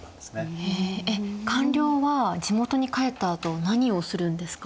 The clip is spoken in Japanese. えっ官僚は地元に帰ったあと何をするんですか？